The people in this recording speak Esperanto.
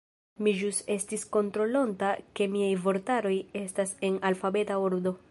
Mi ĵus estis kontrolonta ke miaj vortaroj estas en alfabeta ordo.